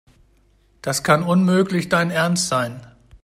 Das kann unmöglich dein Ernst sein.